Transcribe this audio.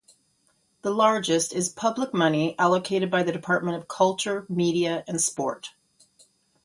The largest is public money allocated by the Department for Culture, Media and Sport.